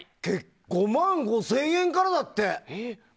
５万５０００円からだって！